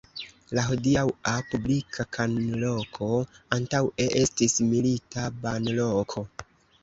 La hodiaŭa publika banloko antaŭe estis milita banloko.